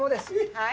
はい。